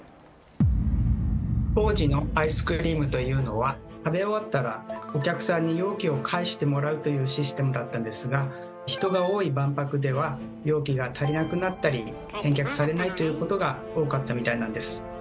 当時のアイスクリームというのは食べ終わったらお客さんに容器を返してもらうというシステムだったんですが人が多い万博では容器が足りなくなったり返却されないということが多かったみたいなんです。